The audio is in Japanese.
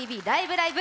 ライブ！」